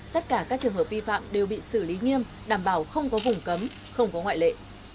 tất cả các trường hợp vi phạm đều bị xử lý nghiêm đảm bảo không có vùng cấm không có ngoại lệ